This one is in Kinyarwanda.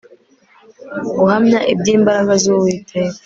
guhamya ibyimbaraga zu uwiteka